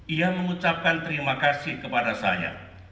ia mengucapkan terima kasih kepada saya